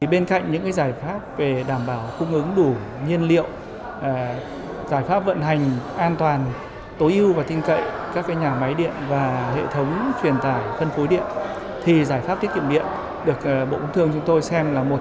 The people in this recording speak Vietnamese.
bên cạnh những giải pháp về đảm bảo cung ứng đủ nhiên liệu giải pháp vận hành an toàn tối ưu và tin cậy các nhà máy điện và hệ thống truyền tải phân phối điện thì giải pháp tiết kiệm điện được bộ công thương chúng tôi xem là một